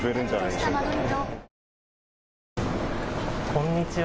こんにちは。